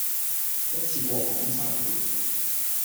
一次過講曬佢